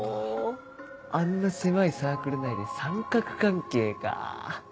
あんな狭いサークル内で三角関係かぁ。